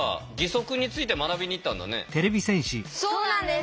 そうなんです。